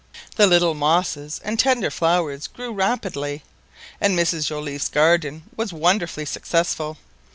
The little mosses and tender flowers grew rapidly, and Mrs Joliffe's garden was wonderfully successful.